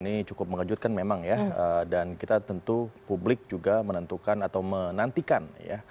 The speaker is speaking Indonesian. ini cukup mengejutkan memang ya dan kita tentu publik juga menentukan atau menantikan ya